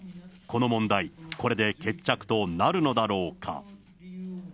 この問題、これで決着となるのだろうか。